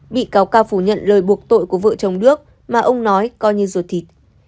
bị cáo cao phủ nhận lời buộc tội của vợ chồng đức mà ông nói coi như ruột thịt